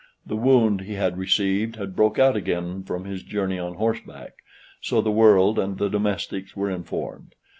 The wound he had received had broke out again from his journey on horseback, so the world and the domestics were informed.